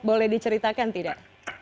boleh diceritakan tidak